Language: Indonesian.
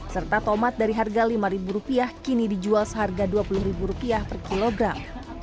serta tomat dari harga lima ribu rupiah kini dijual seharga dua puluh ribu rupiah per kilogram